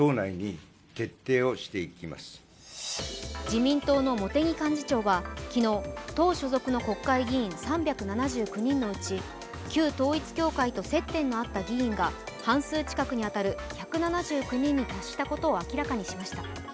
自民党の茂木幹事長は昨日、党所属の国会議員３７９人のうち旧統一教会と接点のあった議員が半数近くに当たる１７９人に達したことを明らかにしました。